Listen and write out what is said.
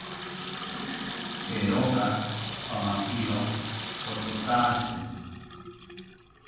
Eeroka, pamakiro pothotaantzi